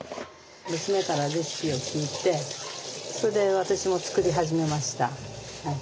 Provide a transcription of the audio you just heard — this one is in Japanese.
娘からレシピを聞いてそれで私も作り始めました。